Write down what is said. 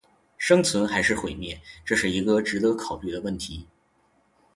生存还是毁灭，这是一个值得考虑的问题